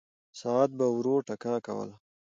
ساعت به ورو ټکا کوله.